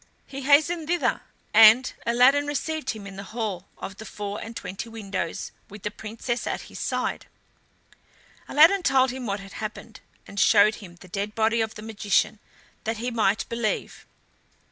He hastened thither, and Aladdin received him in the hall of the four and twenty windows, with the Princess at his side. Aladdin told him what had happened, and showed him the dead body of the magician, that he might believe.